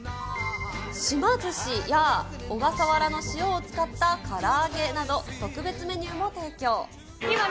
島ずしや、小笠原の塩を使ったから揚げなど、特別メニューも提供。